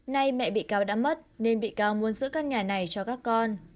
nay mẹ bị cáo đã mất nên bị cáo muốn giữ căn nhà này cho các con